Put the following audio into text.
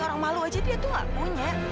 orang malu aja dia tuh nggak punya